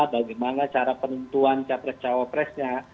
bagaimana cara penentuan capres cawapresnya